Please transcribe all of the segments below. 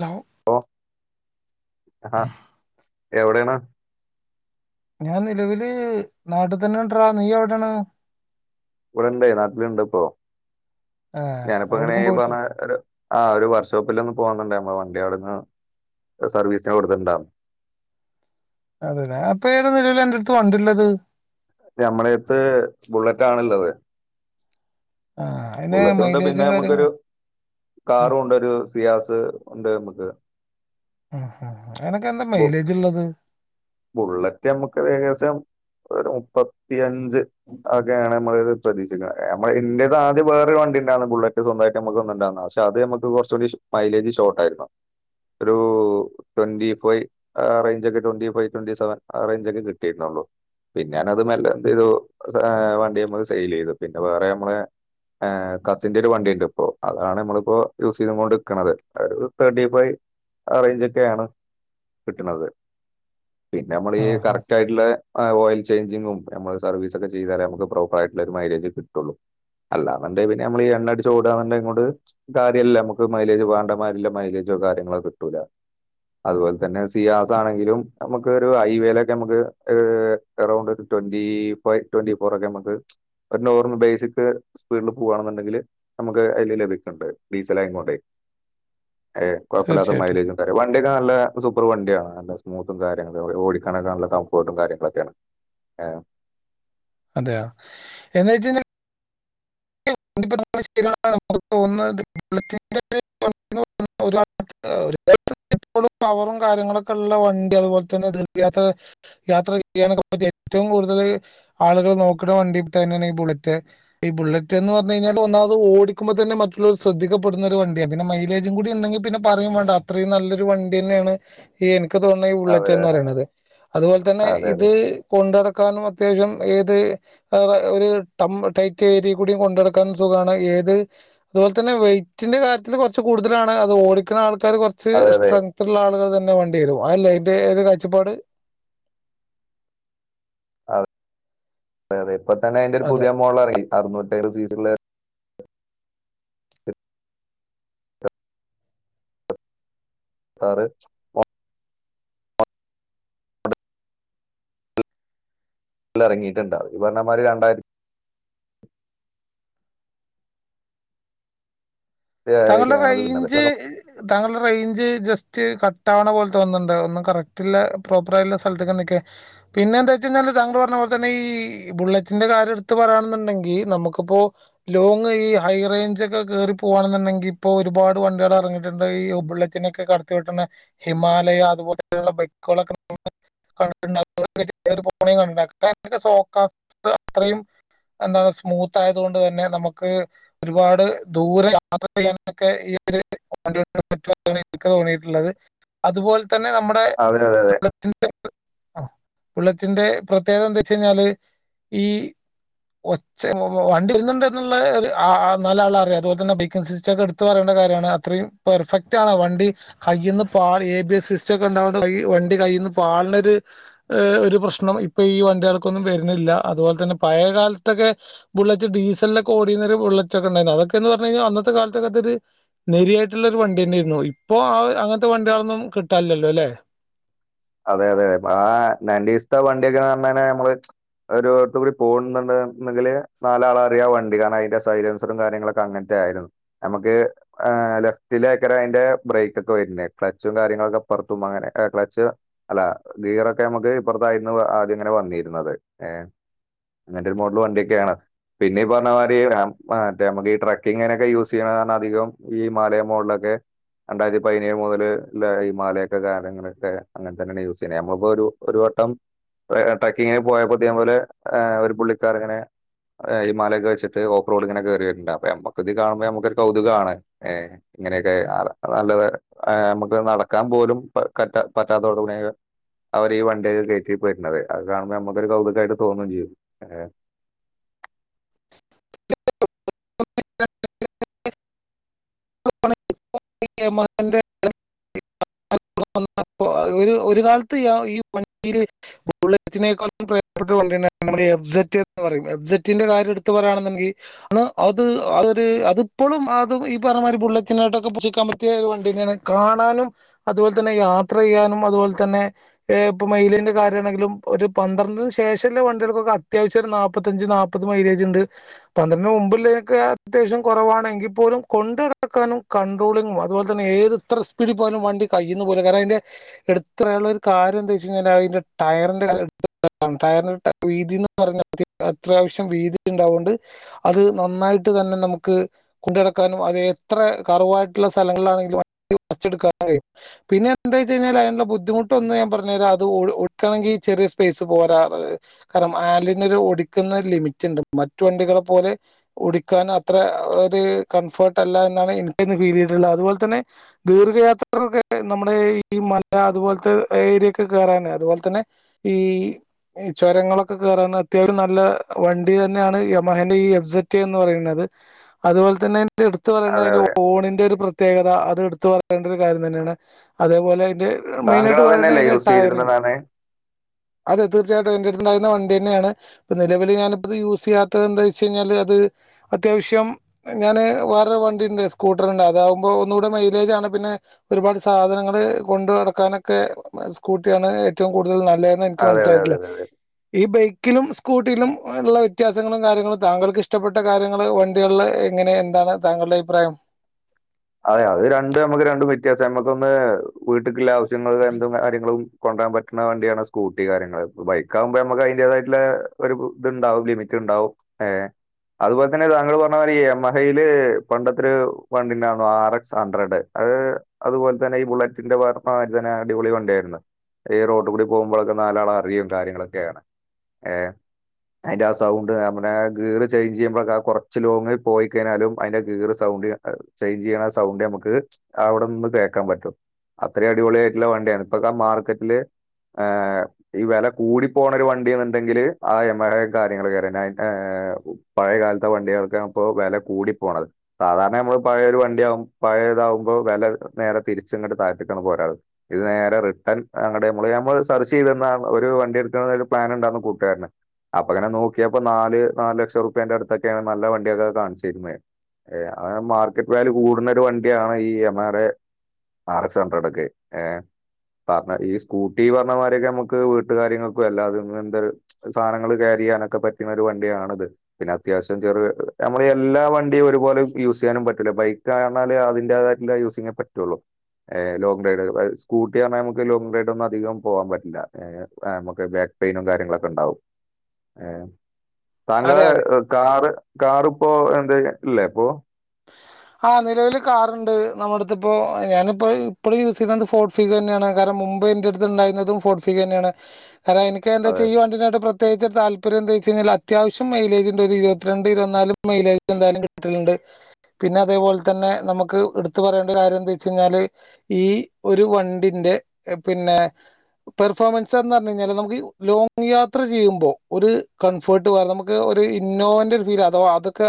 Hello ഓഹ് ആഹ എവിടെയാണ് ഞാൻ നിലവില് നാട്ടിൽ തന്നെ ഉണ്ടടാ നീ എവിടൊണ് ഇവിടെണ്ടേ നാട്ടില് ഇണ്ട് ഇപ്പോ ആ ഞാനിപ്പോ ഇങ്ങനെ എവിടേക്കും പറഞ്ഞ പോയിട്ടില്ല ആ ഒരു വർക്ക്ഷോപ്പിൽ ഒന്ന് പോകുന്നുണ്ട് വണ്ടിയാടെന്ന് സർവീസിന് കൊടുത്തിണ്ടാരുന്നു അതതെ അപ്പൊ ഏത നിലവിലാ അന്റടുത്ത് വണ്ടിള്ളത് ഞമ്മുടെത്ത് ബുള്ളറ്റ് ആണുള്ളത് ആ അതിന് ബുള്ളറ്റ്ണ്ട് പിന്നെ മൈലേജും നമുക്കൊരു കാര്യങ്ങളും ഉം, കാറുംണ്ട് ഒരു സിയാസ് ഉണ്ട് നമുക്ക് ഉം അയ്നൊക്കെ എന്താ ബു മൈലേജ് ഉള്ളത് ബുള്ളറ്റ് നമ്മക്ക് ഏകദേശം ഒരു മുപ്പത്തിയഞ്ച് ഒക്കെയാണ് നമ്മളത് പ്രതീക്ഷിക്കുന്നത് നമ്മള് ഇന്റെത് ആദ്യം വേറെ ഒരു വണ്ടി വണ്ടിണ്ടായിരുന്നു ബുള്ളറ്റ് സ്വന്തയിട്ട് നമ്മക്ക് ഒന്ന്ണ്ടാർ ക്ഷെ അത് നമ്മക്ക് കൊറച്ചൂടി മൈലേജ് ഷോർട്ടയിരുന്നു ഒരു ട്വന്റി ഫൈവ് ആ റേഞ്ച് ഒക്കെ ട്വന്റി ഫൈവ് ട്വന്റി സെവൻ അറെഞ്ചൊക്കെ കിട്ടിയിരുന്നുള്ളൂ പിന്നെ ഞാനത് മെല്ല എന്ത് ചെയ്തു വണ്ടി നമ്മള് സെയിൽ ചെയ്തു പിന്നെ വേറെ നമ്മളെ ഏ കസിന്റെ ഒരു വണ്ടിയുണ്ട് ഇപ്പോ അതാണ് നമ്മളിപ്പോ യൂസ് ചെയ്ത്കൊണ്ട്ക്ക്‌ണത് അ ഒര് തേർട്ടി ഫൈവ് അറേഞ്ച് ഒക്കെയാണ് കിട്ടണത് പിന്നെ നമ്മളീ ആ ആ കറക്റ്റ് ആയിട്ടുള്ള ഓയിൽ ചെയ്ഞ്ച് ഇതിന് മുൻപ് നമ്മള് സർവീസ് ഒക്കെ ചെയ്താലേ നമ്മക്ക് പ്രോപ്പറായിട്ടുള്ള ഒരു മൈലജ് കിട്ടുള്ളൂ അല്ലാന്നണ്ട് പിന്നെ നമ്മളീ എണ്ണടിച് ഓടാന്നീങ്ങോണ്ട് കാര്യല്ല നമുക്ക് മൈലേജ് വേണ്ട മാതിരില്ല മൈലേജ് ഒരു കാര്യങ്ങളെകിട്ടൂല അതുപോലെ തന്നെ സിയാസ് ആണെങ്കിലും നമുക്ക് ഒരു ഹൈവേലൊക്കെ നമ്മക്ക് അറൗണ്ട് ഒരു ട്വന്റി ഫൈവ് ട്വന്റി ഫോർ ഒക്കെ നമ്മക്ക് ഒരു [unintelligible] സ്പീഡിൽ പോകവാണെന്നുണ്ടെങ്കിൽ നമുക്ക് അതിൽ ലഭിക്കുന്നുണ്ട് ഡീസല ആയിങ്ങോണ്ടേ [inaudible] ഏ കൊഴപ്പല്ലാത്ത തീർച്ചയായിട്ടും മൈലേജ് ഉണ്ട വണ്ടിയൊക്കെ നല്ല സൂപ്പർ വണ്ടിയാണ് നല്ല സ്മൂത്ത് [unintelligible] ഓടിക്കാനൊക്കെ നല്ല കംഫർട്ടും കാര്യങ്ങളൊക്കെയാണ് അതെയോ എന്ന വെച്ച കഴിഞാൽ [unintelligible] [unintelligible] ഫുൾ പവറും കാര്യങ്ങളൊക്കെ ഉള്ള വണ്ടി അതുപോലെ തന്നെ ദീർഘയാത്ര യാത്ര ചെയ്യാ നൊക്കെപറ്റിയ ഏറ്റവും കൂടുതൽ ആളുകൾ നോക്കണ വണ്ടി തന്നെയാണ് ഈ ബുള്ളറ്റ് ഈ ബുള്ളറ്റ് ബുള്ളറ്റ് എന്ന്പറഞ്ഞുകഴിഞ്ഞാ ഒന്നാമത് ഓടിക്കുമ്പം തന്നെ മറ്റുള്ളവർ ശ്രദ്ധിക്കപ്പെടുന്ന ഒരു വണ്ടിയാണ് പിന്ന മൈലേജും കൂടി ഉണ്ടെങ്കിൽ പിന്നെ പറയേം വേണ്ട അത്രയും നല്ലൊരു വണ്ടി ന്നെയാണ് ഇ ക്ക്‌ തോന്ന്ണെ ഈ അതെ ബുള്ളറ്റ് എന്ന് പറയണത് അതുപോലെ തന്നെ അതെ അതെ ഇത് കൊണ്ട് നട ക്കാനും അത്യാവശ്യം ഏത് ഒര് ട്ടം ടൈറ്റ് ഏരി കു‌ടി കൊണ്ട് നടക്കാനും സുഖാണ് ഏത് അതുപോലെ തന്നെ വെയ്റ്റിന്റെ കാര്യത്തില് കൊറച്ച് കൂടുതലാണ് അത് ഓടിക്കണ ആൾ ക്കാര് കൊറച്ച് അതെ അതെ സ്‌ട്രെങ്ത്ള്ള ആളുകൾ ന്നെ വേണ്ടിവരും അല്ലേ അയിന്റെ ഒര് കാഴ്‌ച്ചപ്പാട് അതെ അതെ അതെ ഇപ്പൊ തന്നെ അതിന്റെ ഒരു അതെ പുതിയ മോഡൽ ഇറങ്ങി അറുന്നൂറ്റേഴ്‌ സീസി ള്ളെ താറ് ഇറങ്ങിട്ട്ണ്ടാവും ഈ പറഞ്ഞമാതിരി രണ്ടായി രണ്ടായിരത്തി താങ്കളുടെ ആണ് അത് പിന്നത് റേയിഞ്ച് താങ്കളുടെ റേയിഞ്ച് ജസ് ക്ക്‌ കട്ട ആവ്ണ പോലെ തോന്നുന്നുണ്ട് ഒന്നും കറക്റ്റ്ല്ലെ പ്രോപ്പർ ആയുള്ള സ്ഥലത്ത്ക്ക്‌ നിക്ക് പിന്നെ എന്താച്ച് കഴിഞ്ഞ താങ്കൾ പറഞ്ഞ പോലെ തന്നെ ഈ ബുള്ളറ്റിന്റെ കാര്യം എടുത്ത് പറയാണ്ന്ന്ണ്ടെങ്കി നമുക്കിപ്പോ ലോങ്ങ് ഈ ഹൈ റേഞ്ച് ഒക്കെ കേറി പോവാണ് ന്ന്ണ്ടെങ്കിൽ ഇപ്പോ ഒരുപാട് വണ്ടികൾ ഇറങ്ങിട്ട്ണ്ട് ഈ ഒ ബുള്ളറ്റിനൊക്കെ കട ത്തി വെട്ടണ ഹിമാലയ അതുപോലെയുള്ള ബൈക്കുകളൊക്കെ [unintelligible] [unintelligible] അത്രയും എന്താണ് സ്മൂത്ത് ആയത് കൊണ്ട് തന്നെ നമക്ക് ഒരുപാട് ദൂരം യാ യാത്ര ചെയ്യാനൊക്കെ ഈ ഒര് വണ്ടി കൊണ്ട് പറ്റുമെന്നാണ് എനിക്ക് തോണിട്ടുള്ളത് അതുപോല തന്നെ നമ്മുടെ അതെ ബുള്ളറ്റിന്റെ ആ ബുള്ളറ്റിന്റെ പ്രത്യേകത എന്താച്ച് കഴിഞ്ഞാല് ഈ ഒച്ച വണ്ടി വരുന്നുണ്ട് എന്നുള്ള ആ ആ നാല് ആള് അറിയാം അതുപോലെ തന്നെ സിസ്റ്റഒക്കെ എടുത്ത് പറേണ്ട കാര്യമാണ് അത്രയും പെർഫെക്റ്റ് ആണ് വണ്ടി കൈന്ന് പാളി എ ബി എസ് സിസ്റ്റം ഒക്കെ [unintelligible] കൈ വണ്ടി കയ്യിൽന്ന് പാള്ണ ഒര് ഒരു പ്രശ്നം ഇപ്പൊ ഈ വണ്ടി കൾക്കൊന്നും വര്ണില്ല അതുപോലെ തന്നെ പഴ കാലത്തൊക്കെ ബുള്ളറ്റ് ഡീസലിലൊക്കെ ഓടിയിരുന്ന ഒരു ബുള്ളറ്റൊക്കെ ഉണ്ടായിരുന്നു അതൊക്കെയെന്ന് പറഞ്ഞ് അന്ന ഇന്നത്തെ കാലത്തൊക്ക അതൊര് നെരിയായ്റ്റ്ള്ളൊര് വണ്ടിയെന്നേര്ന്നു ഇപ്പൊ ആ അഹ് അങ്ങൻത്തെ വണ്ട്യളൊന്നും കിട്ടാല്ലല്ലോലേ എഹ് അതെ അതെ ആ നയന്റീസ്ത്തെ വണ്ടിയൊക്കെന്നർഞ്ഞാല് ഞമ്മള് ഒരുവാത്തൂടി പോകുന്നുണ്ടെങ്കില് നാലാൾ അറിയാ വണ്ടി കാരണം അതിന്റെ സൈലൻസറും കാര്യങ്ങളുക്കെ അങ്ങൻത്തെ ആയിരുന്നു ഞമ്മക്ക് ആ ലെഫ്റ്റിലയ്ക്കാരം അയിന്റെ ബ്രേക്ക് ഒക്കെ വരുന്നെ ക്ലച്ചും കാര്യങ്ങളൊക്കെ പ പൊർത്തോവുമ്പ അങ്ങനെ അ ക്ലച്ച് അല്ല ഗീറൊക്കെ ഞമ്മക്ക് ഇപ്പറത്തായിരുന്ന് ആദ്യം ഇങ്ങനെ വന്നിര്ന്നത് ഏ അങ്ങൻതെ ഒര് മോഡല് വണ്ടിയൊക്കെയാണ് പിന്നെ ഈ പറഞ്ഞ മാരി ആ മറ്റേ ഞമ്മക്ക് ഈ ട്രക്കിങ്ങിനൊക്കെ യൂസ് ചെയ്യണാർഞ്ഞാ അതികം ഈ മാലയ മോൾലൊക്കെ രണ്ടായിരത്തി പയിനേഴ് മുതല് ള്ളെ ഈ മാലയൊക്കെ കാര്യങ്ങളൊക്കെ അങ്ങൻതന്നേണ് യൂസ് ചെയ്യ്ണെ നമ്മള് പ്പൊ ഒരു വട്ടം എ ഏ ട്രക്കിങ്ങന് പോയപ്പൊ ഇതേ പോലെ ഏഹ് ഒരു പുള്ളിക്കാരന്ങ്ങനെ ഏ ഇമാലയൊക്കെ വെച്ചിട്ട് ഓഫ് റോഡ് ഇങ്ങനെകേറിവര്ണ്ട് അപ്പൊ ഞമ്മക്ക് ഇത് കാണുമ്പോ ഞമ്മക്ക് ഒര് കൗതുകാണ് ഏ ഇങ്ങനെയൊക്കെ അതാ നല്ലത് ഞമ്മക്ക് നടക്കാൻ പോലും പ കറ്റാ പറ്റാത്തോട് കൂടെ [unintelligible] അവര് ഈ വണ്ടിയൊക്കെ കേറ്റി പോര്നത് അത് കാണുമ്പോ ഞമ്മക്കൊരു കൗതുകായിട്ട് തോന്നും ചെയ്യും ഏഹ് [unintelligible] [unintelligible] [unintelligible] ഒരു കാലത്ത് ഞാൻ ഈ വണ്ടില് ബുള്ളറ്റിനേക്കാളും പ്രിയപ്പെട്ട വണ്ടിണ്ടാ ങ്ങനെ നമ്മടെ എവ് സെറ്റ്ന്ന് പറയും എവ് സെറ്റിന്റെ കാര്യം എടുത്ത് പറയാണ്ന്ന്ണ്ടെങ്കി അന്ന് അത് അതൊര് അത് ത് ഇപ്പളും ആതും ഈ ഇപ്പറഞ്ഞമാതിരി ബുള്ളറ്റിനോടൊക്കെ പിടിച്ച്നിക്കാൻ പറ്റിയ ഒരു വണ്ടിതന്നെയാണ് കാണാനും അതുപോലെ തന്നെ യാത്ര ചെയ്യാനും അതുപോ അത് പോൽതന്നെ ഏ ഇപ്പമയ്ലേജിന്റെ കാര്യമണെങ്കിലും ഒരു പന്ത്രണ്ടന് ശേഷല്ല വണ്ട്യൾക്കൊക്കെ അത്യാവശ്യാര് നാ നാപ്പഞ്ച് നാപ്പത് മൈലേജ് ഉണ്ട് പന്ത്രണ്ടിന് മുമ്പില്ലേനൊക്കെ അത്യാവശ്യം കൊറവാണെങ്കി പോലും കൊണ്ട് നടക്കാനും കണ്ടട്രോളിങ്ങും അതുപോൽതന്നെ ഏത് ത്ര സ്പീഡിൽ പോയാലും വണ്ടി കൈയ്യിന്ന് പോവൂല കാരണം അയിന്റെ എടുത്തറയാനുള്ള ഒരു കാര്യം എന്താച്ച് കഴിഞ്ഞാൽ അയിന്റെ ടയറിന്റെ കാര്യം എടുത്തു പറയണം ടയറിന്റെ വീതിന്ന് പറഞ്ഞാ തി അത്യാവശ്യം വീതി ഉണ്ടാവുകൊണ്ട് അത് നന്നായിട്ട് തന്നെ നമുക്ക് കൊണ്ട് ട ക്കാനും അത് ത്ര കർവായിട്ടുള്ള സ്ഥലങ്ങളിലാണെങ്കി [unintelligible] പിന്നെ എന്താ ച്ചഴിഞ്ഞാൽ ത്തയേൻള്ള ബുദ്ധിമുട്ടൊന്ന് ഞാൻ പർഞ്ഞരാ അത് ഓള് ഒടുക്കണെങ്കി ചെറിയ സ്പേസ് പോരാ റ് കാരണം ഹാല് ന്നര് ഒടിക്കുന്ന ലിമിറ്റ്ണ്ട്. മറ്റു വണ്ടികളെ പോലെ ഒടിക്കാൻ അത്ര ഒരു കംഫോർട്ട് അല്ല എന്നാണ് എനിക്കന്ന് ഫീൽ ചെയ്ത്ള്ള. അതുപോൽ തന്നെ ദീർഘയാത്രകർൊക്കെ നമ്മുടെ ഈ മല അതുപോൽത്തെ ഏരിയൊക്കെ കേറാനേ അതുപോൽ തന്നെ ഈ ഈ ചുരങ്ങളൊക്കെ കേറാൻ അത്യാവം നല്ല വണ്ടി തന്നെയാണ് യമഹന്റെ ഈ എബ്സെറ്റ് എന്ന് പറയുന്നത്. അതുപോൽ തന്നെ ന്റെടുത്ത് അതെ അതെ. പറയണേയിന്റെ ഓണിന്റെ ഒരു പ്രത്യേകത അഹ് തെടുത്തു പറയേണ്ട ഒരു കാര്യം തന്നെയാണ അതേപോലെ ത് താങ്കൾ മെയ്നായിട്ട് അത് തന്നെയല്ലേ പറിന്നെയ്ന് യൂസ് ട്ടായ്റിങ് ചെയ്തിരുന്നതാണ് അത് ത് [unintelligible] ന്റെട്ത്ണ്ടാര്ന്ന വണ്ടിന്നെണ് നിലവിൽ ഞാനിപ്പത് യൂസ്യ്യാത്തത് എന്താ ചെഴിഞ്ഞാല് അത് [unintelligible] അത്യാവ്ശ്യം ഞാാന് വേറെ വണ്ടിണ്ട് സ്കൂട്ടർണ്ട് അതാവുമ്പോ ഒന്നുകൂടെ മൈലേജാണ് പിന്നെ ഒരുപാട് സാധനങ്ങൾ ട് കൊണ്ട് നടക്കാനൊക്കെ സ്കൂട്ടിയാണ് ഏറ്റവും കൂടുതൽ ന ലേ ന്നെൻക്ക് അതെ അതെ അതെ മനസിലായിട്ടിള്ളെ അതെ ഈ ബൈ ക്കിലും സ്കൂട്ടിയിലും ഉള്ള വ്യത്യാസങ്ങളും കാര്യങ്ങളും താങ്കൾക്ക് ഇഷ്ടപ്പെട്ട കാര്യങ്ങള് വണ്ടികൾളെ ങ്ങനെ എന്താണ് താങ്കൾടെ അഭിപ്രായം അതെ അത് രണ്ടും നമ്മുക്ക് രണ്ടും വ്യത്യാസം നമ്മക്കൊന്ന് വീട്ടിക്കുള്ള ആവശ്യങ്ങൾ എന്തും കാര്യങ്ങളും കൊണ്ടരാൻ പറ്റ്ന്ന വണ്ടിയാണ് സ്കൂട്ടി കാര്യങ്ങ ബൈക്ക് ആഉമ്പോ നമ്മക്ക് അയിന്റതായിള്ള ഒരു ഇത്ണ്ടാവും ലിമിറ്റ് ണ്ടാവും ഏഹ് അതുപോലെ തന്നെ താങ്കൾ പറഞ്ഞ മാരി മഹയില് പണ്ടത്തെരു വണ്ടിണ്ടാ പാറ് എക്സ് ഹഡ്രഡ് അഹ് അതുപോൽ തന്നെ ഈ ബുള്ളറ്റിന്റെ ഭെ മാര്തെന്നെ അടിപൊളി വണ്ടി ആയിരുന്നു ഈ റോട്ട് കൂടി പോഉമ്പഴൊക്കെ നാലാള അറിയും കാര്യങ്ങളൊക്കെയാണ്. ഏഹ് അയിന്റെ ആ സൗണ്ട് നമ്മനെ ഗിറ് ചേഞ്ച് ചെയ്യുമ്പോ കുറച്ച് ലോങ്ങിൽ പോയി കഴിഞ്ഞാലും അയിന്റെ ഗിർ സൗ [unintelligible] ചേഞ്ച് ചെയ്യണ സൗണ്ട് നമുക്ക് അവിടെ നിന്ന് കേൾക്കാൻ പറ്റും അത്രയും അടിപൊളിയായിട്ടുള്ള വണ്ടിയാണ് ഇപ്പൊക്കെ മാർക്കറ്റില് ഏ ഈ വില കൂടി പോണ ഒരു വണ്ടിന്നുണ്ടെങ്കില് ആ [unintelligible] കാര്യങ്ങളെക്കാരം ഏ ഏ പഴയകാലത്തെ വണ്ടികൾക്കാ ഇപ്പോ വില കൂടി പോണത് സാധാരണ നമ്മ പഴയ ഒരു വണ്ടിയാകും പഴെതാകുമ്പോൾ വില നേരെ തിരിച്ചങ്ങോട്ട് താഴത്തിക്കാണ്ട് പോരാറ് ഇത് നേരെ റി [unintelligible] നമ്മള് ഞമ്മൾ സെർച്ച് ചെയ്തിരുന്ന ഒരു വണ്ടിയടുക്കാൻ ഒരു പ്ലാനുണ്ടായിരുന്നു കൂട്ടുകാരന് അപ്പ ഇങ്ങനെ നോക്കിയപ്പോ നാല് നാല് ലക്ഷം രൂപേന്റെ അടുത്തൊക്കെയാണ് നല്ല വണ്ടിയൊക്കെ കാണിച്ചിരുന്നേ ഏ അ മാർക്കറ്റ് വാല്യൂ കൂടുന്ന ഒരു വണ്ടിയാണ് ഈ യമഹെടെ ആർ എക്സ് ഹൺഡ്രഡ് ഒക്കെ ഏ പറഞ്ഞ ഈ സ്കൂട്ടി പറഞ്ഞമാതിരൊക്കെ നമുക്ക് വീട്ടുകാര്യങ്ങൾക്കും [unintelligible] സാനങ്ങൾ കേറ്റ ചെയ്യാനൊക്കെ പറ്റുന്ന ഒരു വണ്ടിയാണിത് പിന്നെ അത്യാവശ്യം ചെറു നമ്മൾ എല്ലാ വണ്ടിയും ഒരുപോലെ യൂസ് ചെയ്യാനും പറ്റ ബൈക്ക് [unintelligible] ഞ്ഞാൽ അതിന്റേതായിട്ടുള്ള യൂസിങ്ങേ പറ്റുള്ളൂ ലോങ് റൈഡ് സ്കൂട്ടി പറഞ്ഞാൽ നമുക്ക് ലോങ് റൈഡ് ഒന്നും അധികം പോവാൻ പറ്റില്ല ഏ നമുക്ക് ബേ പെയിനും കാര്യങ്ങളൊക്കെ ഉണ്ടാവും ഏ അതെ താങ്കളെ അതെ. കാറ് കാറിപ്പോ എന്തേ ഇല്ലേപ്പോ [inaudible] ആ നിലവിൽ കാറുണ്ട് നമ്മുടെടുത്ത്പ്പോ ഞാനിപ്പോ ഇപ്പോഴും യൂസ് ചെയ്യുന്നത് ഫോർട്ട് ഫീഗ തന്നെയാണ് കാരണം ന്റെ അടുത്ത് ഉണ്ടായിനെതും [unintelligible] എനിക്ക് എന്താച്ച അതെ ഈ വണ്ടിടെ പ്രത്യേകിച്ച് താല്പര്യംന്താച്ച്ഴിഞ്ഞാൽ അത്യാവശ്യം മൈലേജ്ണ്ട് ഒരുഇരുപത്തിണ്ട് ഇരുപത്തിനാല് മൈലേജ്ണ്ട് എന്തായും കിട്ട്ണണ്ട് പിന്നെ അതേപോലെ തന്നെ നമുക്ക് എടുത്ത പറയേണ്ട കാര്യം എന്താച്ച് കഴിഞ്ഞാല് ഈ ഒരു വണ്ടി ന്റെ പിന്നെ പെർഫോമൻസ് എന്ന് പറഞ് കഴിഞ്ഞാൽ നമുക്ക് ലോങ്ങ് യാത്ര ചെയ്യുമ്പോ ഒരു കംഫോർട്ട് വേ നമുക്ക് ഇന്നോവന്റെ ഒരു ഫീൽ അഥവാ അതൊക്കെ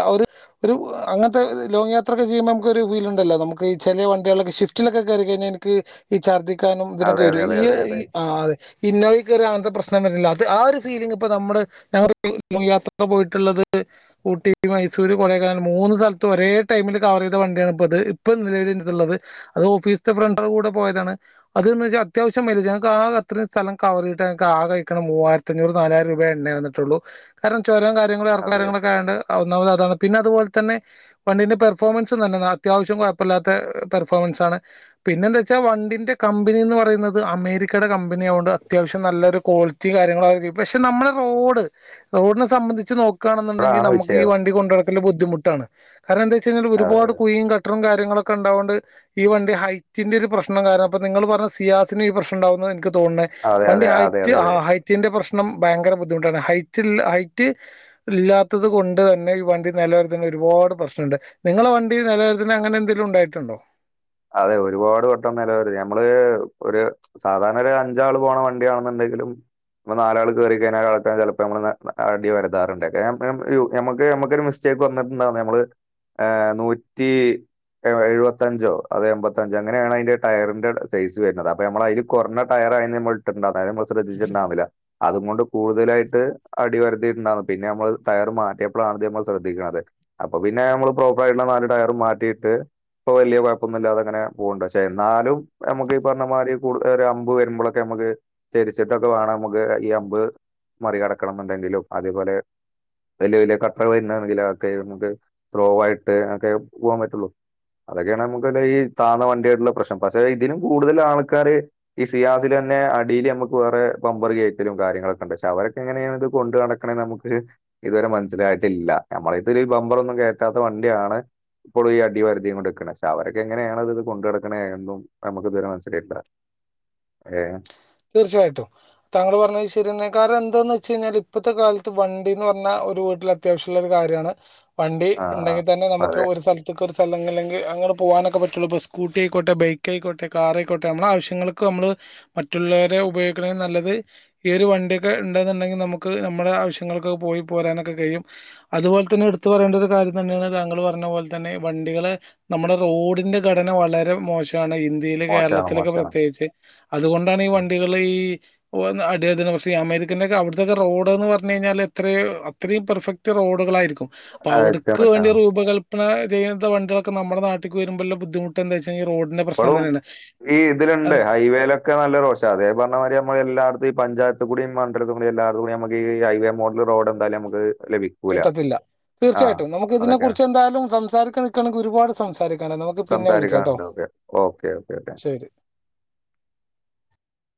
അങ്ങന ലോങ്ങ് യത്രക്കെ ചെയുമ്പോ നമുക്കൊരു ഫീൽ ഉണ്ടല്ലോ നമ്മുക്ക് ചില വണ്ടികളൊ ഷിഫ്റ്റിലൊക്കെ കയറി കഴഞ്ഞാൽ എനിക്ക് ഈ ചർദി ക്കാനും ഇതിനൊക്കെ അതെ അതെ വരും അതെ ഈ അതെ അതെ ആ അതെ ഇന്നോവെ കേറിയാ അങ്ങനെത്തെ ഒരു പ്രശ്നം വര്ണില്ല അത് ആ ഒരു ഫീലിംഗ് ഇപ്പൊ നമ്മുടെ ഞങ്ങടെ [unintelligible] പോയിട്ടുള്ളത് ഊട്ടി മൈസൂര് കൊടെക്കനാൽ മൂന്ന് സ്ഥലത്ത് ഒരേ ടൈമില് കവർ ചെയ്ത വണ്ടിയാണ്ത് ഇപ്പൊ നിലവിൽ ഇതുള്ളത് അത് ഓഫീസിത്തെ ഫ്രണ്ടളെ കൂടെ പോയതാണ് അത് ന്ന് വെച്ച അത്യാവശ്യം മൈലേജ ഞങ്ങൾക്ക് ആ അത്രയും സ്ഥലം കവർ ചെയ്തിട്ട് ഞങ്ങക്ക് ആകെ ആഴിക്കണെ മൂവായിരത്തിഞ്ഞൂറ് നാലായിരം രൂ എണ്ണേ വന്നിട്ടുള്ളൂ കാരണം ചുരവും കാര്യങ്ങളും എർക്കും അതെ കാര്യങ്ങളൊക്കെ ആയോണ്ട് ഒന്നാമത് അതാണ് പിന്നെ അതുപോലെ തന്നെ വണ്ടിന്റെ പെർഫോമൻസ് നല്ലതാ അത്യാവശ്യം കുഴപ്പല്ലാത്തെ പെർഫോമൻസ് ആണ് പിന്നെ എന്താ വെച്ചാ വണ്ടിന്റെ കമ്പനി എന്ന് പറയുന്നത് അമേരിക്കയുടെ കമ്പനി ആവോണ്ട് അത്യാവശ്യം നല്ലൊരു ക്വാളിറ്റി കാര്യങ്ങളാകും പക്ഷെ നമ്മള് റോഡ് റോഡിനെ സംബന്ധിച്ച് നോ കാണുണ്ടെങ്കി അതാണ് നമുക്ക് ഈ വിഷയം. വണ്ടി കൊണ്ട് നടക്കൽ ബുദ്ധിമുട്ടാണ് കാരണം എന്താ വെച്ച അതെ ഒരുപാട് കുഴിയും കട്ടറും കാര്യ ങ്ങളക്കെ ഉണ്ടാവൊണ്ട് ഈ വണ്ടി ഹൈറ്റിന്റെ ഒരു പ്രശ്നം കാരണം അപ്പ നിങ്ങൾ പറഞ്ഞ സിയാസിന് ഈ പ്രശ്നം ഉണ്ടാവുന്നത് എനിക്ക് [unintelligible] അതെ പണ്ട് അതെ അതെ ഹൈറ്റ് അതെ ആ അതെ ഹൈറ്റിന്റെ പ്രശ് ണം ഭയങ്കര ബുദ്ധിമുട്ടാണ് ഹൈറ്റ്ള്ള ഹൈറ്റ് ഇല്ലാത്തത് കൊണ്ട് തന്നെ ഈ വണ്ടി നിലരുത്തുന്ന ഒരുപാട് പ്രശ്നം ഉണ്ട് നിങ്ങളെ വണ്ടി [unintelligible] അങ്ങനെ എന്തെങ്കിലും ഉണ്ടായിട്ടുണ്ടോ അതെ ഒരുപാട് വട്ടം [unintelligible] ഞമ്മള് ഒരു സാധാരണ ഒരു അഞ്ചാള് പോണ വണ്ടിയാണെന്ന ണ്ടെങ്കിലും ഇപ്പൊ നാലാൾ കയറി കഴിഞ്ഞാൽ ആൾക്കാരു ചിലപ്പോ നമ്മളെ അടി [unintelligible] നമ്മക് നമ്മക്കൊരു മിസ്റ്റേക്ക് [unintelligible] നമ്മള് ഏ നൂറ്റി എഴുപത്തഞ്ചോ അത് എമ്പത്തഞ്ച് അങ്ങനെയാണ് അതിന്റെ ടയറിന്റെ സൈസ് വരുന്നത് അപ്പൊ നമ്മൾ അതിൽ കുറഞ്ഞ ടയറ് ആയിനി നമ്മളിട്ടിട്ടുണ്ടാവും അത് നമ്മൾ ശ്രദ്ധിച്ചിട്ട്ണ്ടാർന്നില അതും കൊണ്ട് കൂടുതലായിട്ട് അടി ഒരത്തിയിട്ട്ണ്ടാർന്നു പിന്നെ നമ്മൾ ടയർ മാറ്റിയപ്പോഴാണ്ത് ഇത് നമ്മൾ ശ്രദ്ധിക്കണത് അപ്പൊ പിന്നെ നമ്മള് പ്രോപ്പർ ആയിട്ട നാല് ടയർ മാറ്റിയിട്ട് ഇപ്പൊ വലിയ കുഴ കൊഴപ്പൊന്നും ഇല്ലാതെങ്ങനെ പോകണ്ട് പക്ഷേ എന്നാലും നമുക്ക് ഈ പറഞ്ഞ മാതി കൂ ഒരു അമ്പ് വരുമ്പോഴൊക്കെ നമുക്ക് [unintelligible] തിരിച്ചിട്ടൊക്കെ വേണം നമുക്ക് ഈ അമ്പ് മറികടക്കണം എന്നുണ്ടെങ്കിലും അതേപോലെ വലിയ വലിയ കട്ടർ വരണെങ്കില് ഒക്കെ നമുക്ക് സ്രോയിട്ട് ഒക്കെ പോകാൻ പറ്റുള്ളു അതെക്കേണ മൂ ഇതാണ്ടെ ഈ താന്ന വണ്ടിയായിട്ടുള്ള പ്രശ്നം പക്ഷെ ഇതിനും കൂടുതൽ ആൾക്കാര് ഈ സിയാസില്തന്നെ അ ഡീല് ചെയ്യാൻ നമ്മക്കു വേറെ ബമ്പറ് കേറ്റലും കാര്യങ്ങളൊക്കെണ്ട് പക്ഷെ അവരക്കെങ്ങനെയാണ് ഇത് കൊണ്ട് നടക്കണേന്ന് നമുക്ക് ഇതുവരെ മനസില ലായിട്ടില്ല നമ്മളിതുരേം ബമ്പറൊന്നും കേറ്റാത്ത വണ്ടിയാണ് ഇപ്പോളും ഈ അടിവാരത്തി കൊണ്ടെ വിക്കണേ അവരൊക്കെ എങ്ങനെയാണ് അത് ഇത് കൊണ്ട് നടക്കണേ എന്നും നമുക്ക് ഇതുവരെ മനസ്സിലായിട്ടില്ല ഏ തീർച്ചയായിട്ടും താങ്കള് പറഞ്ഞത് ശരിതന്നെ കാരണം എന്താന്ന് വെച്ച് കഴിഞ്ഞാൽ ഇപ്പത്തെ കാലത്ത് വണ്ടിന്ന് പറഞ്ഞാ ഒരു വീട്ടിലത്യാവശ്യമുള്ളൊരു കാര്യണ് വണ്ടി ആ ആ ഉണ്ടെങ്കി തന്നെ നമുക്ക് അതെ ഒരു സ്ഥലത്തെക്ക് ചെല്ലുന്നില്ലെങ്കി അങ്ങനെ പോകാനൊക്കെ പറ്റുള്ളൂ ഇപ്പോ സ്കൂട്ടി ആയിക്കോട്ടെ ബൈക്കായിക്കോട്ടെ കാറായിക്കോട്ടെ നമ്മുടെ ആവശ്യങ്ങൾക്ക് നമ്മള് മ റ്റുള്ളവരെ ഉപയോഗിക്കണേലും നല്ലത് ഈ ഒരു വണ്ടിയൊക്കെ ഉണ്ടെന്നുണ്ടെങ്കി നമുക്ക് നമ്മുടെ ആവശ്യങ്ങൾക്കൊക്കെ പോയി പോരാനൊക്കെ കഴിയും അതുപോലെ തന്നെ എടുത്തു പറയേണ്ട ഒരു കാര്യം തന്നെയാണ് താങ്കള് പറഞ്ഞ പോലെ തന്നെ വണ്ടികള് നമ്മുടെ റോഡിൻ്റെ ഘടന വളരെ മോശ മാണ് ഇന്ത്യയില് മോശാണ് കേരളത്തിലൊക്കെ മോശാണ് പ്രത്യേകിച്ച് അതുകൊണ്ടാണ് ഈ വണ്ടികള് ഈ ഈ വന്ന് അടിതട്ടുന്ന പ്രശ്നം ഈ അമേരിക്കൻ്റെ ഒക്കെ അവിടത്തെക്കെ റോഡന്ന് പറഞ്ഞ്കഴിഞ്ഞാല് എത്രയും അത്രയും പെർഫ റ്റ് റോഡുകളായിരിക്കും അപ്പൊ അയക്കാൻ അവിടക്ക് വേണ്ടി പറ്റാണ് രൂപകല്പന ചെയ്ത വണ്ടികളൊക്കെ നമ്മുടെ നാട്ടിക്ക് വരുമ്പോല്ല ബുദ്ധിമുട്ട് എന്താച്ച ഇപ്പളും ഈ ഇതിലുണ്ട് അതെ ഹൈവേലൊക്കെ നല്ല റോഡ്സ് ക്ഷേ അതേ പറഞ്ഞ മാതിരി നമ്മളെല്ലാടത്തും ഈ പഞ്ചായത്തു കൂടി മണ്ഡലത്തികൂടി എല്ലാടത്തും കൂടി നമുക്കി ഹൈവേ മോഡല് റോഡ് എന്തായാലും നമുക്ക് ലഭിക്കൂല കിട്ടത്തില്ല ആ തീർച്ചയായിട്ടും നമുക്കിതിനെ അതൊക്കെയാണ് കുറിച്ച് എന്തായാലും സംസാരിക്ക നിൽക്കണെങ്കിൽ ഒരുപാട് സംസാരിക്കാണ് നമുക്ക് പിന്നെ വിളിക്കാട്ടോ സംസാരിക്കാനുണ്ട് ഓക്കെ ഓക്കെ ഓക്കെ ഓക്കെ ശരി